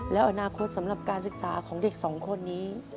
และอนาคตสำหรับการศึกษาของเด็กสองคนนี้